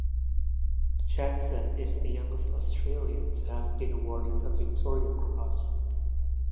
Jackson is the youngest Australian to have been awarded a Victoria Cross.